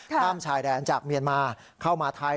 ข้ามชายแดนจากเมียนมาเข้ามาไทย